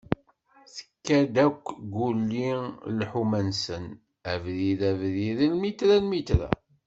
Tekka-d akk Guli lḥuma-nsen, abrid abrid, lmitra lmitra.